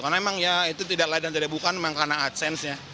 karena memang ya itu tidak lain dan tidak bukan memang karena adsense ya